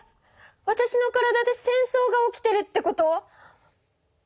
わたしの体で戦争が起きてるってこと？